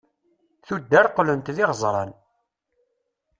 tuddar qlent d iɣeẓran